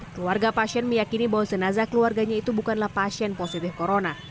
keluarga pasien meyakini bahwa jenazah keluarganya itu bukanlah pasien positif corona